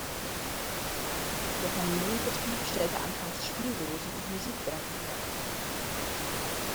Der Familienbetrieb stellte anfangs Spieldosen und Musikwerke her.